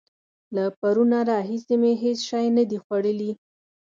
له پرونه راهسې مې هېڅ شی نه دي خوړلي.